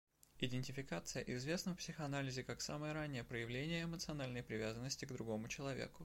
Идентификация известна в психоанализе как самое раннее проявление эмоциональной привязанности к другому человеку.